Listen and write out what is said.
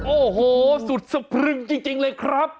โอ้โหสุดสะพรึงจริงเลยครับ